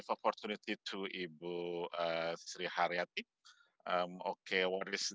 meskipun kita tidak bisa mendengar dengan jelas